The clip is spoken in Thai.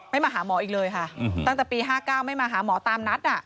ไม่มาหาหมออีกเลยค่ะตั้งแต่ปีห้าเก้าไม่มาหาหมอตามนัดอ่ะ